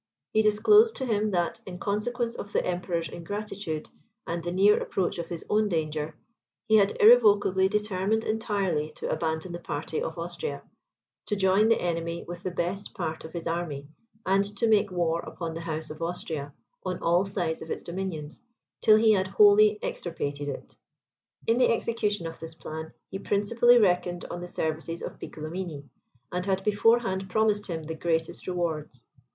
He disclosed to him, that, in consequence of the Emperor's ingratitude, and the near approach of his own danger, he had irrevocably determined entirely to abandon the party of Austria, to join the enemy with the best part of his army, and to make war upon the House of Austria, on all sides of its dominions, till he had wholly extirpated it. In the execution of this plan, he principally reckoned on the services of Piccolomini, and had beforehand promised him the greatest rewards.